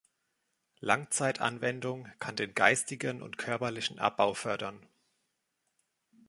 Langzeitanwendung kann den geistigen und körperlichen Abbau fördern.